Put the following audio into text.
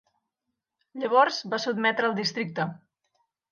Llavors va sotmetre el districte.